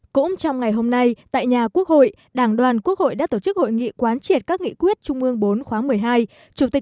cũng trong ngày hôm nay tại nhà quốc hội đảng đoàn quốc hội đã tổ chức hội nghị quán triệt các nghị quyết trung ương bốn khóa một mươi hai